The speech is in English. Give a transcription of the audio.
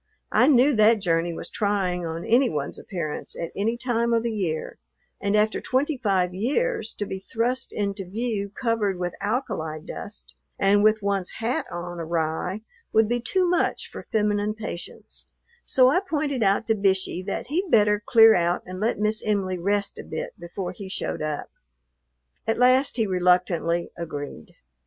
I knew that journey was trying on any one's appearance at any time of the year, and after twenty five years to be thrust into view covered with alkali dust and with one's hat on awry would be too much for feminine patience; so I pointed out to Bishey that he'd better clear out and let Miss Em'ly rest a bit before he showed up. At last he reluctantly agreed.